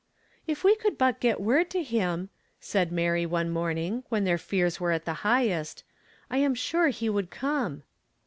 '" If we could bit get word to him," said Mary one morning, when their fears were at the highest, " I am sure he would come."